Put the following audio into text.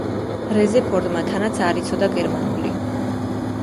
რეზერფორდმა თანაც არ იცოდა გერმანული.